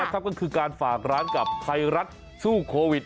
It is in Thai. ก็คือการฝากร้านกับไทยรัฐสู้โควิด